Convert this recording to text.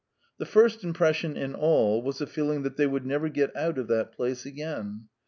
The first impression in all was a feeling that they would never get out of that place again.